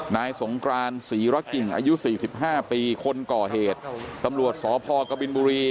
นายสงกรานศรีระกิ่งอายุสี่สิบห้าปีคนก่อเหตุตำรวจสพกบินบุรี